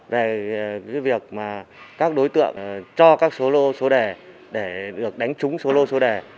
về cái việc mà các đối tượng cho các số lô số đẻ để được đánh trúng số lô số đẻ